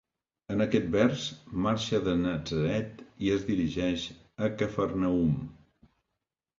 En aquest vers marxa de Natzaret i es dirigeix a Cafarnaüm.